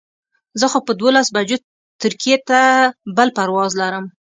زه خو په دولس بجو ترکیې ته بل پرواز لرم.